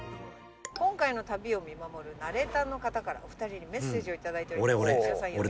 「今回の旅を見守るナレーターの方からお二人にメッセージを頂いております」俺俺。